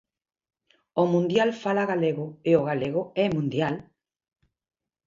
"O Mundial fala galego e o galego é mundial".